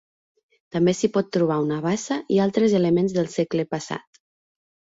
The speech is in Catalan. També s'hi pot trobar una bassa i altres elements del segle passat.